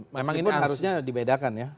memang itu harusnya dibedakan ya